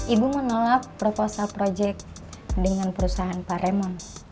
ibu menolak proposal proyek dengan perusahaan pak remon